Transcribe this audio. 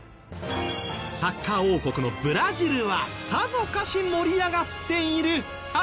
サッカー王国のブラジルはさぞかし盛り上がっているはず！